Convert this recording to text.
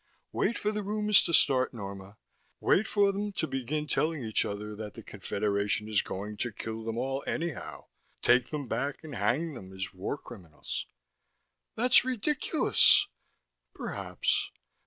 "Wait for the rumors to start, Norma. Wait for them to begin telling each other that the Confederation is going to kill them all anyhow, take them back and hang them as war criminals " "That's ridiculous!" "Perhaps."